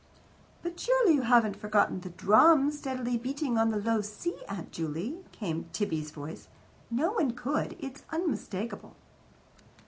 "But surely you haven't forgotten the drum steadily beating on the low C, Aunt Juley?" came Tibby's voice. "No one could. It's unmistakable."